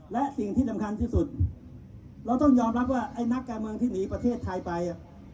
และสิ่งที่สำคัญที่สุดเราต้องยอมรับว่าไอ้นักการเมืองที่หนีประเทศไทยไป